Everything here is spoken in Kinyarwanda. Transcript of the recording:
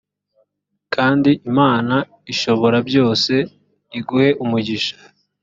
kandi imana ishoborabyose iguhe umugisha